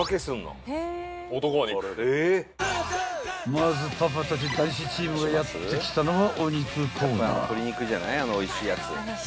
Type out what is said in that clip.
［まずパパたち男子チームがやって来たのは］